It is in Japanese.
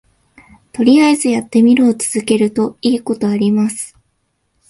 とりあえずやってみるを続けるといいことあります